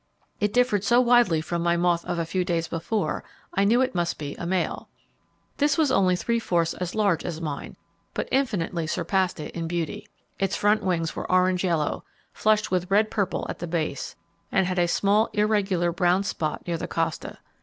It differed so widely from my moth of a few days before, I knew it must be a male. This was only three fourths as large as mine, but infinitely surpassed it in beauty. Its front wings were orange yellow, flushed with red purple at the base, and had a small irregular brown spot near the costa.